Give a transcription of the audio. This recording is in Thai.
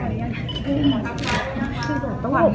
อันนี้ก็มองดูนะคะ